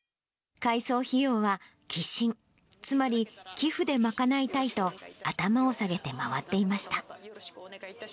改装費用は寄進、つまり寄付で賄いたいと、頭を下げて回っていました。